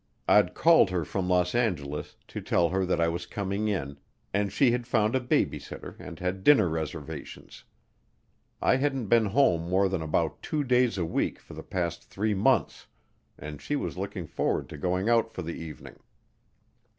I'd called her from Los Angeles to tell her that I was coming in, and she had found a baby sitter and had dinner reservations. I hadn't been home more than about two days a week for the past three months, and she was looking forward to going out for the evening.